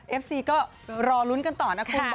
เอฟซีก็รอลุ้นกันต่อนะคุณ